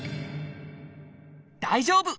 大丈夫！